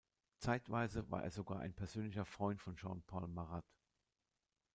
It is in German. Zeitweise war er sogar ein persönlicher Freund von Jean Paul Marat.